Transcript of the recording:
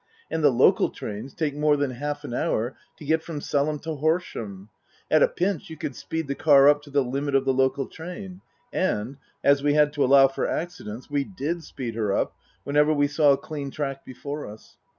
And the local trains take more than half an hour to get from Selham to Horsham. At a pinch you could speed the car up to the limit of the local train. And, as we had to allow for accidents, we did speed her up whenever we saw a clean track before us.